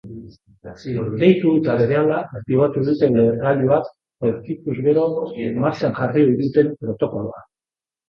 Deitu eta berehala aktibatu dute lehergailuak aurkituz gero martxan jarri ohi duten protokoloa.